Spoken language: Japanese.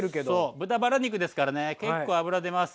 豚バラ肉ですからね結構脂出ます。